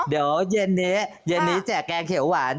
เดี๋ยวเย็นนี้เย็นนี้แจกแกงเขียวหวาน